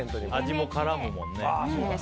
味も絡むもんね。